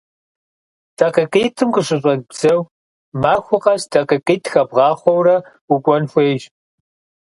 ДакъикъитӀым къыщыщӀэбдзэу, махуэ къэс дакъикъитӀ хэбгъахъуэурэ укӀуэн хуейщ.